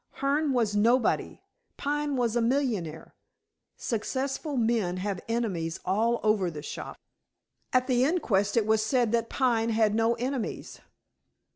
"Hearne was nobody: Pine was a millionaire. Successful men have enemies all over the shop." "At the inquest it was said that Pine had no enemies."